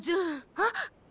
あっ！